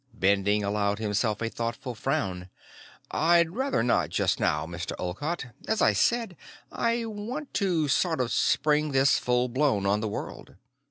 Bending allowed himself a thoughtful frown. "I'd rather not, just now, Mr. Olcott. As I said, I want to sort of spring this full blown on the world."